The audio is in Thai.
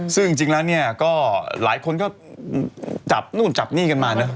ซึ่งจริงแล้วเนี่ยก็หลายคนก็จับหนี้กันมาเนี่ย